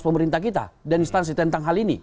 pemerintah kita dan instansi tentang hal ini